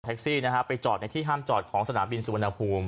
ซี่นะฮะไปจอดในที่ห้ามจอดของสนามบินสุวรรณภูมิ